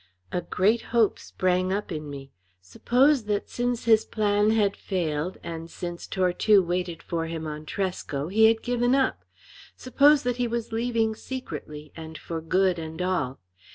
A great hope sprang up in me. Suppose that since his plan had failed, and since Tortue waited for him on Tresco, he had given up! Suppose that he was leaving secretly, and for good and all!